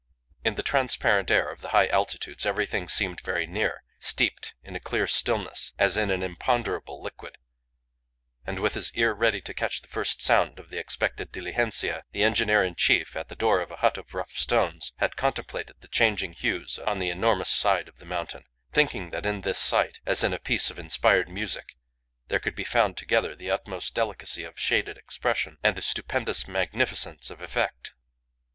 In the transparent air of the high altitudes everything seemed very near, steeped in a clear stillness as in an imponderable liquid; and with his ear ready to catch the first sound of the expected diligencia the engineer in chief, at the door of a hut of rough stones, had contemplated the changing hues on the enormous side of the mountain, thinking that in this sight, as in a piece of inspired music, there could be found together the utmost delicacy of shaded expression and a stupendous magnificence of effect.